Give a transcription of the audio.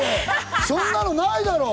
そんなのないだろ！